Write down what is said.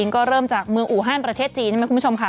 ก็เริ่มจากเมืองอูฮันประเทศจีนใช่ไหมคุณผู้ชมค่ะ